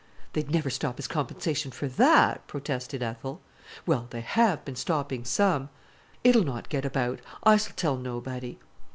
"They'd never stop his compensation for that," protested Ethel. "Well, they have been stopping some——" "It'll not get about. I s'll tell nobody."